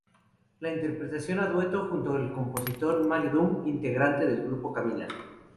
Lo interpretaron a dueto junto al compositor Mario Domm, integrante del grupo Camila.